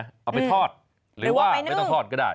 เอาไปทอดหรือว่าไม่ต้องทอดก็ได้